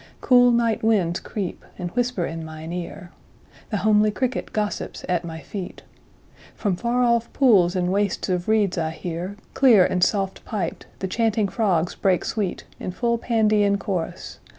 9Cool night winds creep, and whisper in mine ear.10The homely cricket gossips at my feet.11From far off pools and wastes of reeds I hear,12Clear and soft piped, the chanting frogs break sweet13In full Pandean chorus.